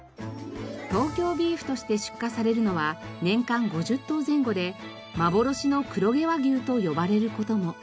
東京ビーフとして出荷されるのは年間５０頭前後で幻の黒毛和牛と呼ばれる事も。